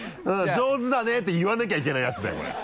「上手だね」って言わなきゃいけないやつだよこれ。